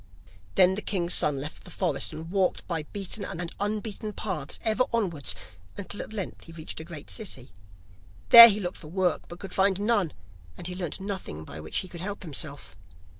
Then the king's son left the forest, and walked by beaten and unbeaten paths ever onwards until at length he reached a great city. There he looked for work, but could find none, and he learnt nothing by which he could help himself.